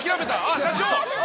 あっ社長！